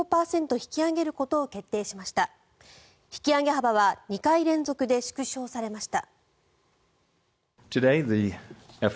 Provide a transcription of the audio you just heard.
引き上げ幅は２回連続で縮小されました。